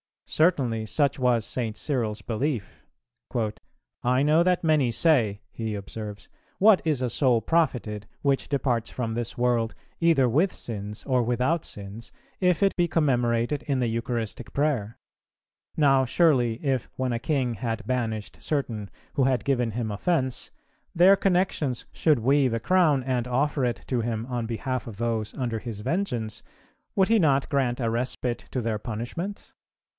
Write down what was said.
Certainly such was St. Cyril's belief: "I know that many say," he observes, "what is a soul profited, which departs from this world either with sins or without sins, if it be commemorated in the [Eucharistic] Prayer? Now, surely, if when a king had banished certain who had given him offence, their connexions should weave a crown and offer it to him on behalf of those under his vengeance, would he not grant a respite to their punishments?